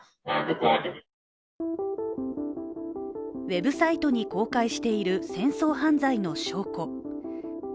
ウェブサイトに公開している戦争犯罪の証拠。